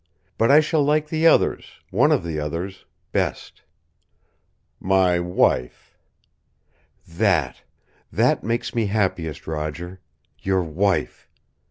But I shall like the others one of the others best." "My WIFE." "That that makes me happiest, Roger. Your WIFE.